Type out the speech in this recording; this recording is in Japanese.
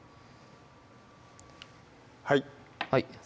はい